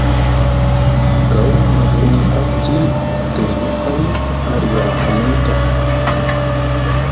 Gaw na pini afti gayɗi pay a riya amay ta.